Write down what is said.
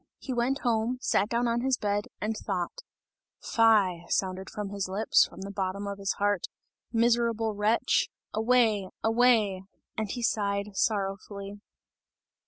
He went home, sat down on his bed, and thought. "Fie!" sounded from his lips, from the bottom of his heart. "Miserable wretch! away! away!" and he sighed sorrowfully.